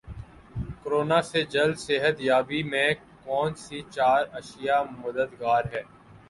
corona سے جلد صحت یابی میں کون سی چار اشیا مددگار ہیں